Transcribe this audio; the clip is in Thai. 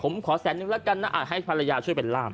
เออผมขอแสนนึงแล้วกันนะอ่ะให้ภรรยาช่วยไปล่าม